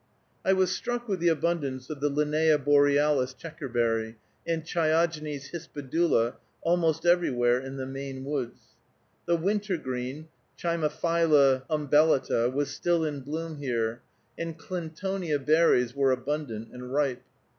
I was struck with the abundance of the Linnæa borealis, checkerberry, and Chiogenes hispidula, almost everywhere in the Maine woods. The wintergreen (Chimaphila umbellata) was still in bloom here, and clintonia berries were abundant and ripe.